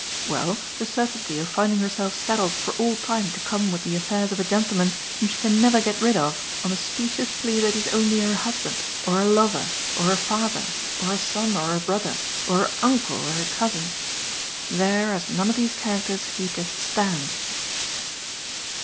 "Well, the certainty of finding herself saddled for all time to come with the affairs of a gentleman whom she can never get rid of on the specious plea that he's only her husband or her lover or her father or her son or her brother or her uncle or her cousin. There, as none of these characters, he just stands."